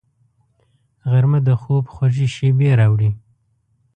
غرمه د خوب خوږې شېبې راوړي